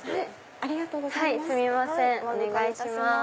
ありがとうございます。